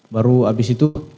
baru habis itu